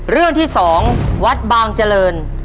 เรื่องที่๒วัดบางเจริญ